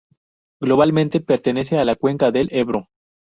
Globalmente pertenece a la cuenca del Ebro.